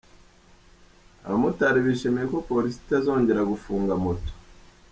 Abamotari bishimiye ko Polisi itazongera gufunga moto